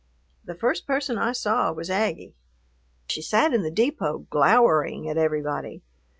The first person I saw was Aggie. She sat in the depot, glowering at everybody.